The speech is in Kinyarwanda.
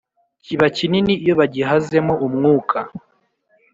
kiba kinini iyo bagihaze mo umwuka.